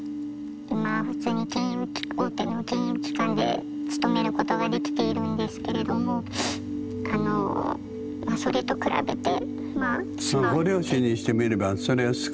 今普通に大手の金融機関で勤めることができているんですけれどもそれと比べて。